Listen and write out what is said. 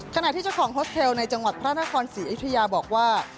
ขณะที่เจ้าของโฮสเทลในจังหวัดพระนครศรีอยุธยาบอกว่า